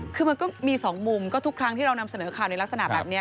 คือมันก็มีสองมุมก็ทุกครั้งที่เรานำเสนอข่าวในลักษณะแบบนี้